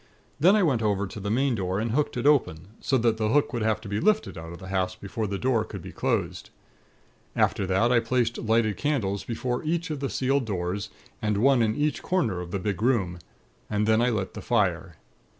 Then I went over to the main door and hooked it open, so that the hook would have to be lifted out of the hasp, before the door could be closed. After that, I placed lighted candles before each of the sealed doors, and one in each corner of the big room; and then I lit the fire.